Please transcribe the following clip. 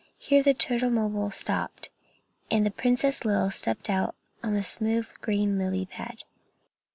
Here the turtlemobile stopped, and the Princess Lil stepped out on the smooth green lily pad.